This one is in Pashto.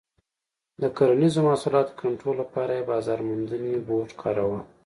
د کرنیزو محصولاتو کنټرول لپاره یې بازار موندنې بورډ کاراوه.